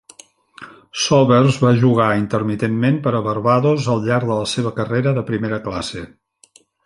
Sobers va jugar intermitentment per a Barbados al llarg de la seva carrera de primera classe.